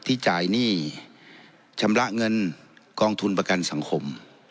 ที่จ่ายหนี้ชำระเงินกองทุนประกันสังคม